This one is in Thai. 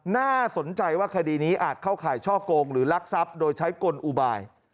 น่าสนใจว่าคดีนี้อาจเข้าข่ายช่อกงหรือลักทรัพย์โดยใช้กลอุบาย